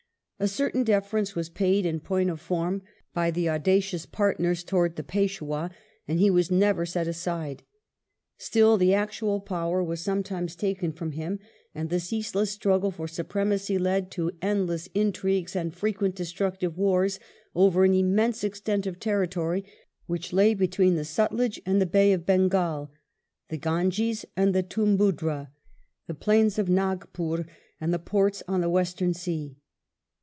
A certain deference was paid in point of fonn hy the audacious partners towards the Peishwah, and he was never set aside. Still the actual power was sometimes taken from him, and the ceaseless struggle for supremacy led to endless intrigues and frequent destructive wars over an immense extent of territory which lay between the Sutlej and the Bay of Bengal, the Ganges and the Toom buddra, the plains of Nagpore and the ports on the western sea.